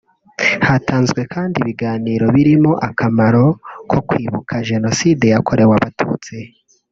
Hatanzwe kandi ibiganiro birimo akamaro ko kwibuka Jenoside yakorewe Abatutsi